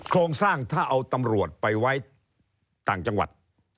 โครงสร้างถ้าเอาตำรวจไปไว้ต่างจังหวัด